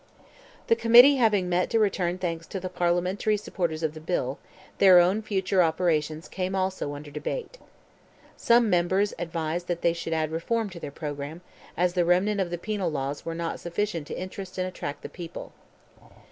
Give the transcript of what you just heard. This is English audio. The Committee having met to return thanks to the parliamentary supporters of the bill, their own future operations came also under debate. Some members advised that they should add reform to their programme, as the remnant of the penal laws were not sufficient to interest and attract the people.